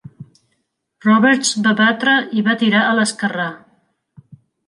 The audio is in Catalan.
Roberts va batre i va tirar a l'esquerrà.